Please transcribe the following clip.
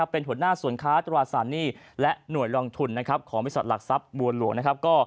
เป็นหัวหน้าส่วนค้าตรวจสารหนี้และหน่วยลองทุนของวิสัตว์หลักทรัพย์บวลหลวง